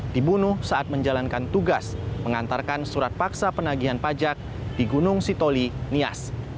dibunuh saat menjalankan tugas mengantarkan surat paksa penagihan pajak di gunung sitoli nias